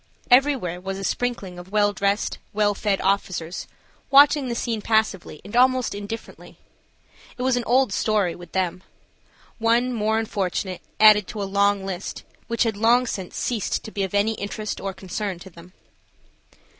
Everywhere was a sprinkling of well dressed, well fed officers watching the scene passively and almost indifferently. It was only an old story with them. One more unfortunate added to a long list which had long since ceased to be of any interest or concern to them.